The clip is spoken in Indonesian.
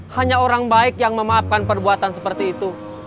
hanya orang baik yang memaafkan perbuatan seperti itu